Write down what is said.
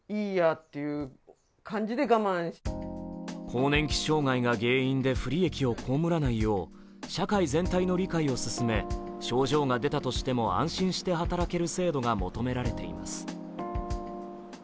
更年期障害が原因で不利益を被らないよう社会全体の理解を進め症状が出たとしても安心して働ける制度が求められています。